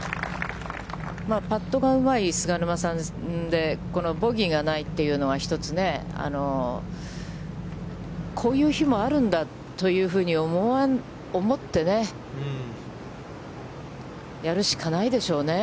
パットがうまい菅沼さんで、このボギーがないというのは、一つね、こういう日もあるんだというふうに思ってやるしかないでしょうね。